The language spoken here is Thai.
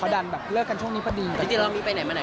ดันแบบเลิกกันช่วงนี้พอดีจริงแล้วมีไปไหนมาไหน